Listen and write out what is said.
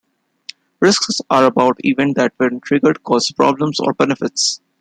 Risks are about events that, when triggered, cause problems or benefits.